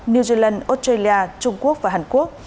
new zealand australia trung quốc và hàn quốc